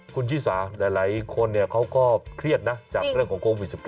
คุณชิสาหลายคนเขาก็เครียดนะจากเรื่องของโควิด๑๙